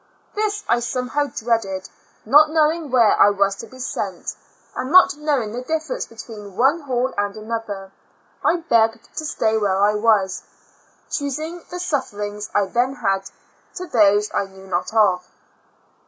This I somehow dreaded, not knowing where I was to be sent, and not knowing the difference between one hall and another; I begged to stay where I was, QQ Two Years and Four Months choosing the sufferings I then had, to those I knew not of.